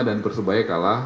dan persebaya kalah